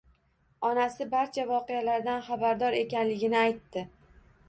Onasi barcha voqealardan xabardor ekanligini aytdi.